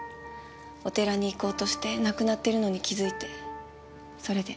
お寺に行こうとしてなくなってるのに気づいてそれで。